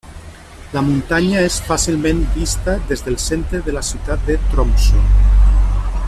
La muntanya és fàcilment vista des del centre de la ciutat de Tromsø.